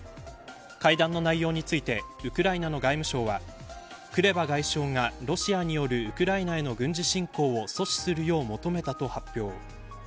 会談の内容についてウクライナの外務省はクレバ外相が、ロシアによるウクライナへの軍事侵攻を阻止するよう求めたと発表。